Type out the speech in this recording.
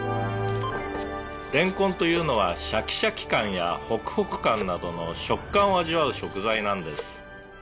「れんこんというのはシャキシャキ感やホクホク感などの食感を味わう食材なんです」